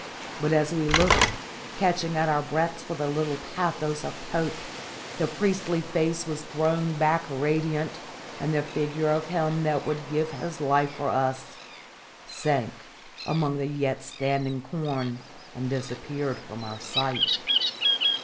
But as we looked, catching at our breaths with a little pathos of hope, the priestly face was thrown back radiant, and the figure of him that would give his life for us sank amongst the yet standing corn and disappeared from our sight.